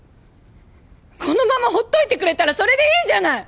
このままほっといてくれたらそれでいいじゃない！